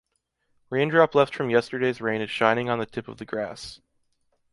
Raindrop left from yesterday’s rain is shining on the tip of the grass.